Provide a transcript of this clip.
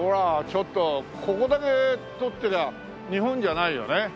ちょっとここだけ撮ってりゃあ日本じゃないよね。